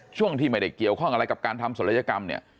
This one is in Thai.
ช่วงที่ไม่ได้เกี่ยวข้องอะไรกับการทำศัลยกรรมเนี่ย